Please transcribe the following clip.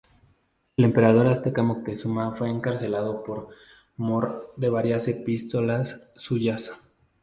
El emperador azteca Moctezuma fue encarcelado por mor de varias epístolas suyas.